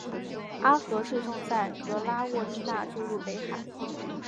阿河最终在格拉沃利讷注入北海。